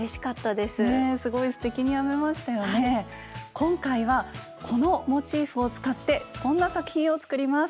今回はこのモチーフを使ってこんな作品を作ります。